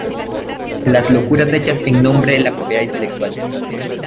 Las locuras hechas en nombre de la propiedad intelectual